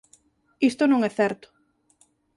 Isto non é certo.